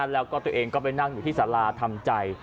แล้วก็ตัวเองก็ไปนั่งอยู่ที่สาราทำใจ